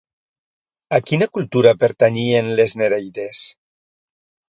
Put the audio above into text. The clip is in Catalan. A quina cultura pertanyien les nereides?